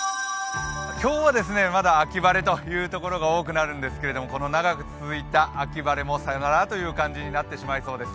今日はまだ秋晴れのところが多くなるんですけれども、この長く続いた秋晴れもさよならという感じになってしまいそうです。